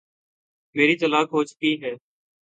میری طلاق ہو چکی ہے۔